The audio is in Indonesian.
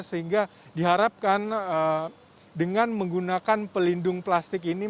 sehingga diharapkan dengan menggunakan pelindung plastik ini